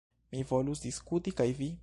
Mi volus diskuti kaj vi.